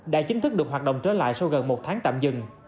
đã chính thức được hoạt động trở lại sau gần một tháng tạm dừng